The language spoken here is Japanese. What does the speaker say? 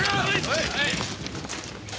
はい！